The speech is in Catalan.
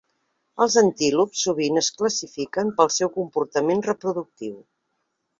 Els antílops sovint es classifiquen pel seu comportament reproductiu.